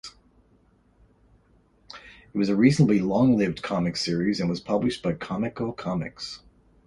It was a reasonably long-lived comic series, and was published by Comico Comics.